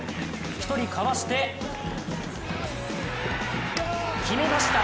１人かわして、決めました！